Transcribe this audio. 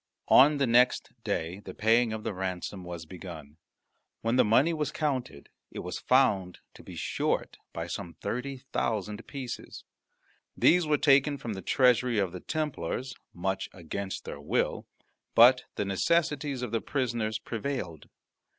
On the next day the paying of the ransom was begun. When the money was counted it was found to be short by some thirty thousand pieces. These were taken from the treasury of the Templars much against their will, but the necessities of the prisoners prevailed.